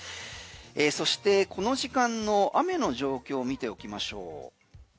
そしてこの時間の雨の状況を見ておきましょう。